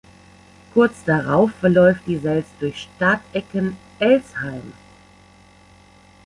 Kurz darauf verläuft die Selz durch Stadecken-Elsheim.